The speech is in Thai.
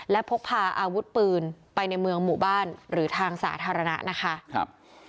และพกพาอาวุธปืนไปในเมืองหมู่บ้านหรือทางสาธารณะนะคะครับ